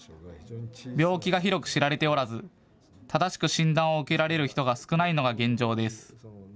病気が広く知られておらず正しく診断を受けられる人が少ないのが現状です。